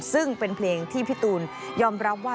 ซึ่งเป็นเพลงที่พี่ตูนยอมรับว่า